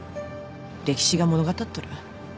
歴史が物語っとる。